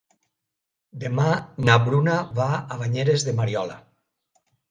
Demà na Bruna va a Banyeres de Mariola.